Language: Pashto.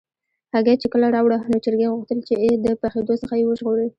هګۍ چې کله راوړه، نو چرګې غوښتل چې د پخېدو څخه یې وژغوري.